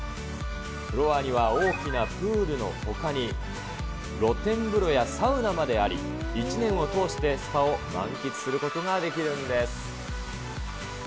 フロアには大きなプールのほかに、露天風呂やサウナまであり、１年を通してスパを満喫することができるんです。